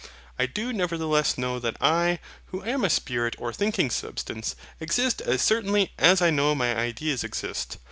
I do nevertheless know that I, who am a spirit or thinking substance, exist as certainly as I know my ideas exist.